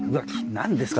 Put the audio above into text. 何ですか？